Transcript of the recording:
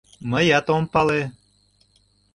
— Мыят ом пале.